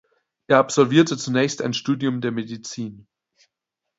Er absolvierte zunächst ein Studium der Medizin.